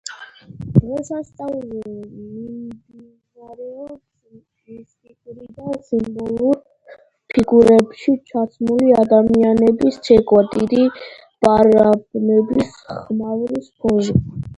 დღესასწაულზე მიმდინარეობს მისტიკურ და სიმბოლურ ფიგურებში ჩაცმული ადამიანების ცეკვა დიდი ბარაბნების ხმაურის ფონზე.